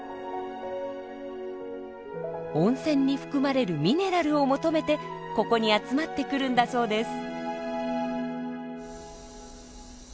温泉に含まれるミネラルを求めてここに集まってくるんだそうです。